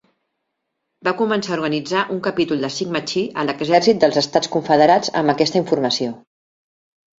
Va començar a organitzar un capítol de Sigma Chi a l'Exèrcit dels Estats Confederats amb aquesta informació.